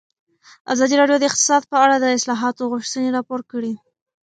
ازادي راډیو د اقتصاد په اړه د اصلاحاتو غوښتنې راپور کړې.